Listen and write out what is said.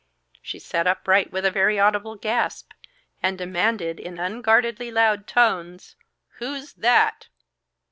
She sat upright with a very audible gasp, and demanded in unguardedly loud tones, "Who's that?"